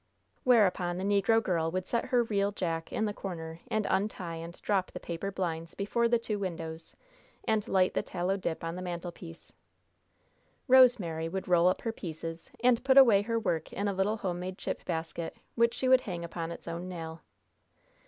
Whereupon the negro girl would set her reel jack in the corner, and untie and drop the paper blinds before the two windows, and light the tallow dip on the mantelpiece. Rosemary would roll up her "pieces," and put away her work in a little homemade chip basket, which she would hang upon its own nail.